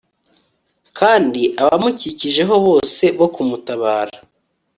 kandi abamukikijeho bose bo kumutabara